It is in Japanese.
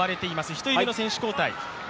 １人目の選手交代。